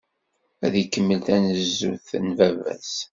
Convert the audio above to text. Ad ikemmel tanezzut n baba-s.